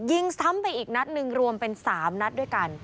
ยิงซ้ำไปอีกนัดหนึ่งรวมเป็น๓นัดด้วยกัน